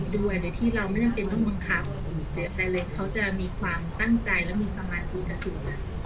ด้วยโดยที่เราไม่จำเป็นต้องบังคับแต่เลยเขาจะมีความตั้งใจและมีสมาธิกับสื่อ